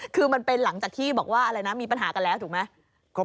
คือมันเป็นหลังจากที่บอกว่าอะไรนะมีปัญหากันแล้วถูกไหม